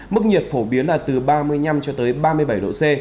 mức nhiệt phổ biến là từ ba mươi năm cho tới ba mươi bảy độ c